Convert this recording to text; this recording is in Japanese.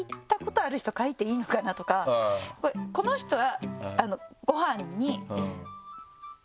この人は。